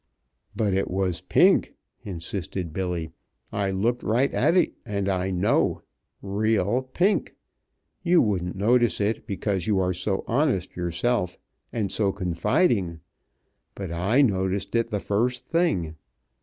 "But it was pink," insisted Billy. "I looked right at it, and I know. Real pink. You wouldn't notice it, because you are so honest yourself, and so confiding, but I noticed it the first thing.